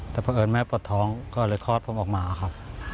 แต่เพราะเอิญแม่ปวดท้องก็เลยคลอดผมออกมาครับ